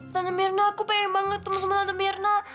tante mirna aku pengen banget ketemu sama tante mirna